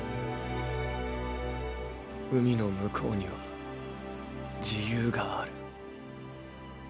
海の向こうには自由がある。